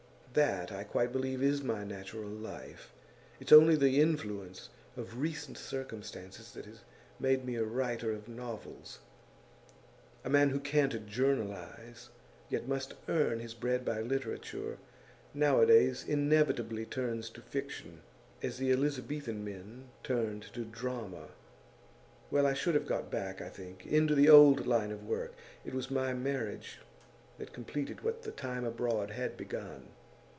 That, I quite believe, is my natural life; it's only the influence of recent circumstances that has made me a writer of novels. A man who can't journalise, yet must earn his bread by literature, nowadays inevitably turns to fiction, as the Elizabethan men turned to the drama. Well, but I should have got back, I think, into the old line of work. It was my marriage that completed what the time abroad had begun.